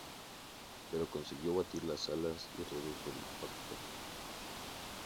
Pero consiguió batir las alas y redujo el impacto.